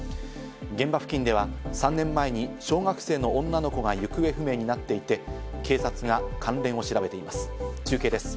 現場付近では３年前に小学生の女の子が行方不明になっていて、警察が関連を調べています。